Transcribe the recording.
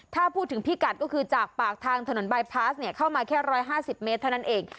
ถ้าพูดถึงพิกัดก็คือจากปากทางถนนบายพาสเข้ามาแค่๑๕๐เมตรเท่านั้นเอง